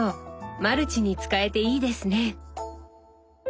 マルチに使えていいですね！